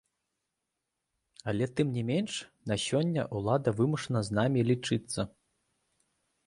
Але тым не менш, на сёння ўлада вымушаная з намі лічыцца.